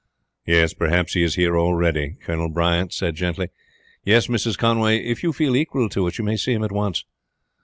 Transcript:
"Perhaps he is here already," Colonel Bryant said gently. "Yes, Mrs. Conway, if you feel equal to it you may see him at once."